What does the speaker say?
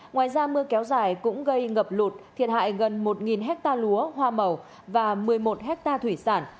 ngoài ra mưa kéo dài cũng gây ngập lụt thiệt hại gần một hectare lúa hoa màu và một mươi một hectare thủy sản